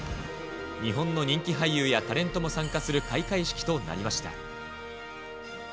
日本の人気俳優やタレントも参加する開会式となりました。